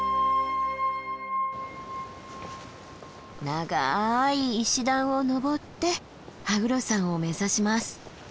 ながい石段を登って羽黒山を目指します。